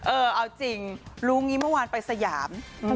เอาจริงรู้งี้เมื่อวานไปสยาม